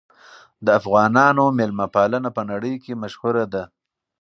د افغانانو مېلمه پالنه په نړۍ کې مشهوره ده.